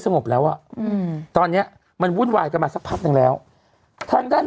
งบแล้วอ่ะอืมตอนเนี้ยมันวุ่นวายกันมาสักพักหนึ่งแล้วทางด้าน